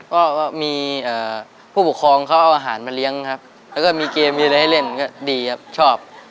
ก็มีผู้ปกครองเขาเอาอาหารมาเลี้ยงครับแล้วก็มีเกมมีอะไรให้เล่นก็ดีครับชอบ